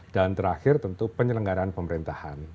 dan terakhir tentu penyelenggaraan pemerintahan